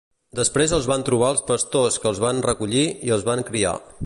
Després els van trobar els pastors que els van recollir i els van criar.